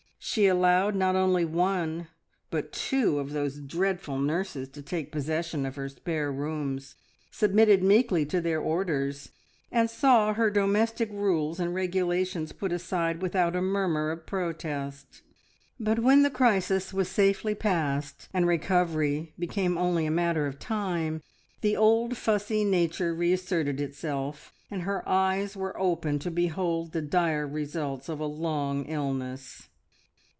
She allowed not only one, but two of "those dreadful nurses" to take possession of her spare rooms, submitted meekly to their orders, and saw her domestic rules and regulations put aside without a murmur of protest; but when the crisis was safely passed, and recovery became only a matter of time, the old fussy nature reasserted itself, and her eyes were open to behold the dire results of a long illness.